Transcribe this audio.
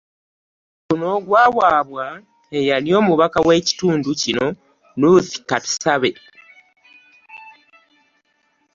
Guno gwawaabwa eyali omubaka w'ekitundu kino, Ruth Katushabe